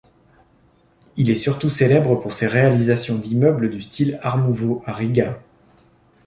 Il est surtout célèbre pour ses réalisations d'immeubles du style Art nouveau à Riga.